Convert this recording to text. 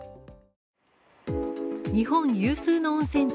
日本有数の温泉地